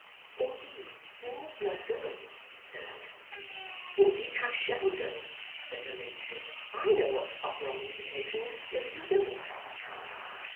"Indeed you need not go," said Alice. "Indeed I shall go," said her ladyship. "I know what's proper on these occasions, if you don't."